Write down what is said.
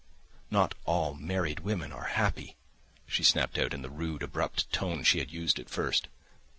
"Not all married women are happy," she snapped out in the rude abrupt tone she had used at first.